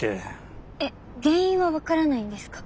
えっ原因は分からないんですか？